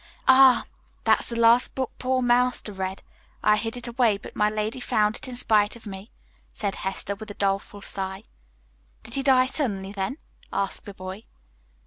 "Ah, that's the last book poor Master read. I hid it away, but my lady found it in spite of me," said Hester, with a doleful sigh. "Did he die suddenly, then?" asked the boy.